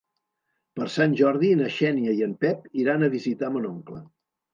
Per Sant Jordi na Xènia i en Pep iran a visitar mon oncle.